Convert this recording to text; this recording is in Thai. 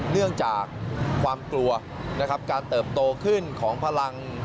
เนื่องจากความกลัวนะครับการเติบโตขึ้นของพลัง